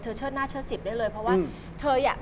เชิดหน้าเชิดสิบได้เลยเพราะว่าเธออ่ะ